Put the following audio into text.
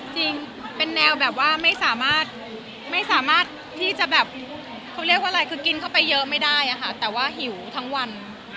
จริงเป็นแนวแบบว่าไม่สามารถไม่สามารถที่จะแบบเขาเรียกว่าอะไรคือกินเข้าไปเยอะไม่ได้อะค่ะแต่ว่าหิวทั้งวัน